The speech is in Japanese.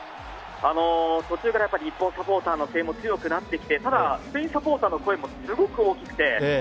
途中から日本サポーターの声援も強くなってきてただ、スペインサポーターの声もすごく大きくて。